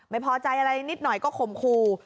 ไม่พอใจอะไรนิดหน่อยก็ข่มขู่